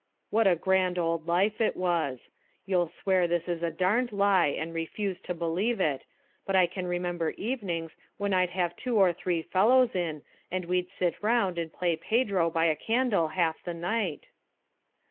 What a grand old life it was! You'll swear this is a darned lie and refuse to believe it but I can remember evenings when I'd have two or three fellows in, and we'd sit round and play pedro by a candle half the night."